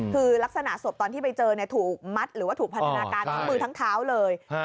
คือลักษณะศพตอนที่ไปเจอถูกมัดหรือว่าถูกพันธนาการทั้งมือทั้งเท้าเลย